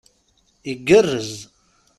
Igerrez